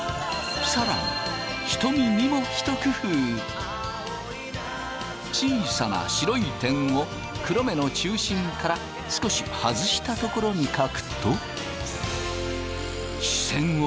更に小さな白い点を黒目の中心から少し外したところに描くと視線を感じないのだ。